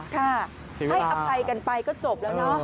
ค่ะให้อภัยกันไปก็จบแล้วเนาะ